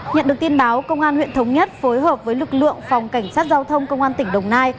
nhận được tin báo công an huyện thống nhất phối hợp với lực lượng phòng cảnh sát giao thông công an tỉnh đồng nai